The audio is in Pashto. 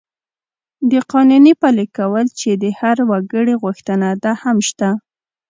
د قانون پلي کول چې د هر وګړي غوښتنه ده، هم شته.